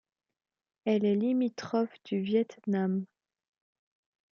Elle est limitrophe du Vietnam.